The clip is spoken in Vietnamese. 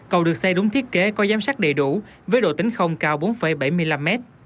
cầu được xây đúng thiết kế có giám sát đầy đủ với độ tính không cao bốn bảy mươi năm m